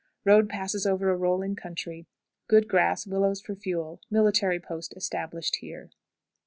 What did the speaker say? Road passes over a rolling country. Good grass; willows for fuel. Military post established here.